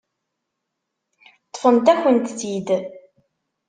Ṭṭfent-akent-tt-id.